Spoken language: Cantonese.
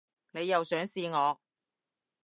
你又想試我